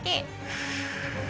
「で